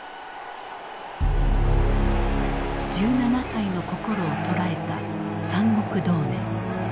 １７歳の心を捉えた三国同盟。